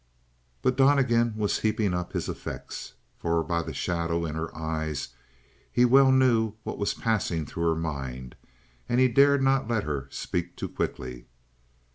But Donnegan was heaping up his effects. For by the shadow in her eyes he well knew what was passing through her mind, and he dared not let her speak too quickly.